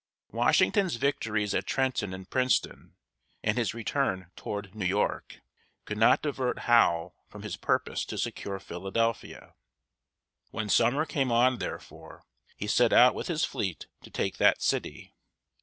Washington's victories at Trenton and Princeton, and his return toward New York, could not divert Howe from his purpose to secure Philadelphia. When summer came on, therefore, he set out with his fleet to take that city.